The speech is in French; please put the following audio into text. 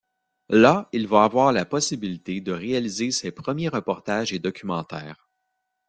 Là il va avoir la possibilité de réaliser ses premiers reportages et documentaires.